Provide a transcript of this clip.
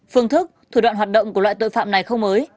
phương thức thủ đoạn hoạt động của loại tội phạm này không mới